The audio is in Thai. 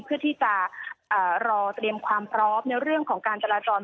เพื่อที่จะรอเตรียมความพร้อมในเรื่องของการจราจร